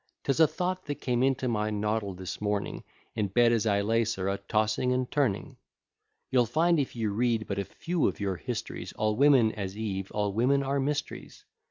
'Tis a thought that came into my noddle this morning, In bed as I lay, sir, a tossing and turning. You'll find if you read but a few of your histories, All women, as Eve, all women are mysteries.